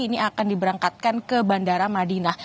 ini akan diberangkatkan ke bandara madinah